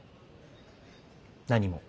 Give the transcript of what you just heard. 何も。